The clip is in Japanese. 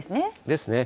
ですね。